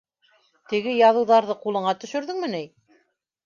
— Теге яҙыуҙарҙы ҡулыңа төшөрҙөңмө ни?